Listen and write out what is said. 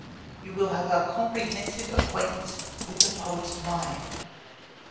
You will have a comprehensive acquaintance with a poet's mind.